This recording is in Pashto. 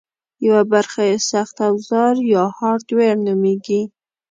یوه برخه یې سخت اوزار یا هارډویر نومېږي